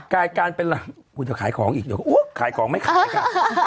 กายการเป็นอะไรอุ้ยเดี๋ยวขายของอีกเดี๋ยวอุ๊ยขายของไม่ขายค่ะ